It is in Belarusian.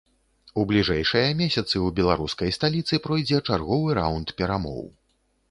У бліжэйшыя месяцы ў беларускай сталіцы пройдзе чарговы раўнд перамоў.